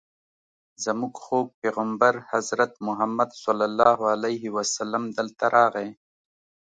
زموږ خوږ پیغمبر حضرت محمد صلی الله علیه وسلم دلته راغی.